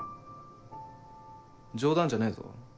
冗談じゃねえぞ。